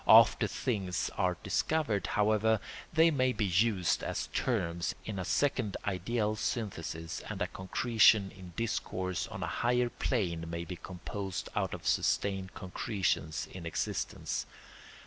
After things are discovered, however, they may be used as terms in a second ideal synthesis and a concretion in discourse on a higher plane may be composed out of sustained concretions in existence.